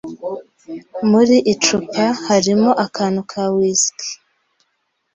Muri icupa harimo akantu ka whisky